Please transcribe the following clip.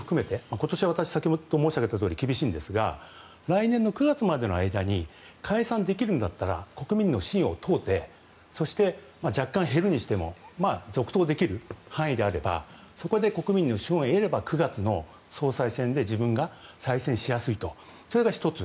今年は先ほど申し上げたとおり厳しいんですが来年の９月までの間に解散できるんだったら国民の信を問うて若干減るにしても続投できる範囲があればそこで国民の信用を得れば９月の総裁選で自分が再選しやすいというのが１つ。